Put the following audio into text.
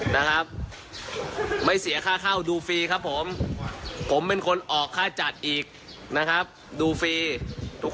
นี่คือล่าสุด